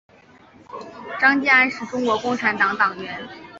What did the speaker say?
张敬安是中国共产党党员。